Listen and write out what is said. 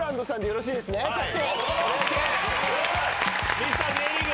ミスターＪリーグ。